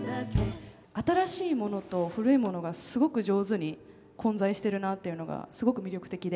新しいものと古いものがすごく上手に混在しているなあというのがすごく魅力的で。